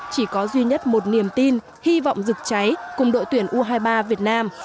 chỉ có duy nhất một niềm tin hy vọng rực cháy cùng đội tuyển u hai mươi ba việt nam